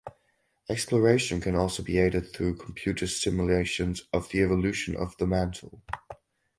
Exploration can also be aided through computer simulations of the evolution of the mantle.